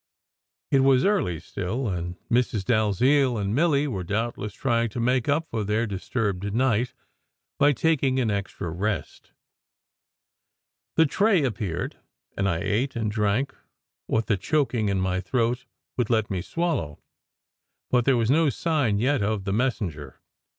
It was early still, and Mrs. Dalziel and Milly were doubtless trying to make up for their dis turbed night by taking an extra rest. The tray appeared, and I ate and drank what the choking in my throat would let me swallow, but there was no sign yet of the messenger.